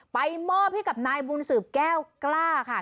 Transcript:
มอบให้กับนายบุญสืบแก้วกล้าค่ะ